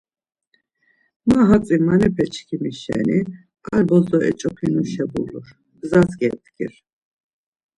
Ma hatzi manebe çkimi şeni ar bozo eç̌opinuşa bulur, gzas gebdgir.